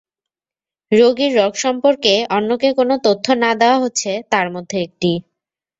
রুগীর রোগ সম্পর্কে অন্যকে কোনো তথ্য না-দেওয়া হচ্ছে তার মধ্যে একটি।